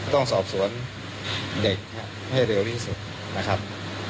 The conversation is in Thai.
ต้องสอบสวนเด็กให้เร็วที่สุดนะครับ